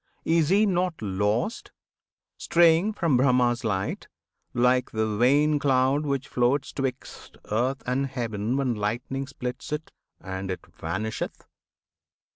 Is he not lost, straying from Brahma's light, Like the vain cloud, which floats 'twixt earth and heaven When lightning splits it, and it vanisheth?